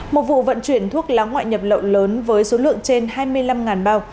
một vụ vận chuyển thuốc lá ngoại nhập lậu lớn với số lượng trên hai mươi năm bao